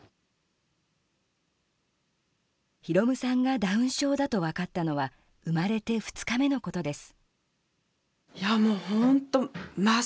宏夢さんがダウン症だと分かったのは生まれて２日目のことです。